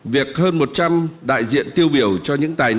việc hơn một trăm linh đại diện tiêu biểu cho những tài năng